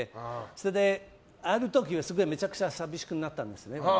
ある時、すごくめちゃくちゃ寂しくなったんです。